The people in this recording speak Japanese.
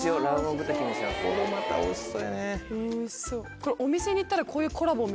でもおいしそう。